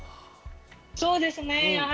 そうですね。